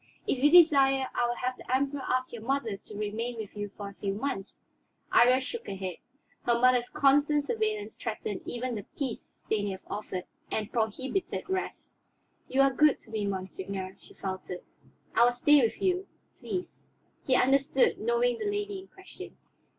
If you desire, I will have the Emperor ask your mother to remain with you for a few months." Iría shook her head. Her mother's constant surveillance threatened even the peace Stanief offered, and prohibited rest. "You are good to me, monseigneur," she faltered. "I will stay with you, please." He understood, knowing the lady in question.